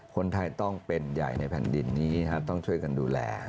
คนไทยต้องเป็นใหญ่ในแผ่นดินนี้ต้องช่วยกันดูแล